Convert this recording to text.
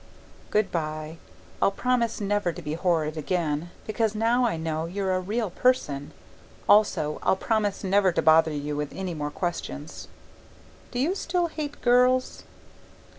Goodbye I'll promise never to be horrid again, because now I know you're a real person; also I'll promise never to bother you with any more questions. Do you still hate girls?